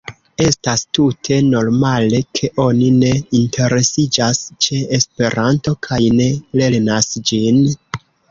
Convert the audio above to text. Estas tute normale, ke oni ne interesiĝas ĉe Esperanto kaj ne lernas ĝin.